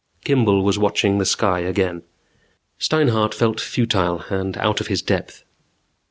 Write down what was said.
Kimball was watching the sky again. Steinhart felt futile and out of his depth.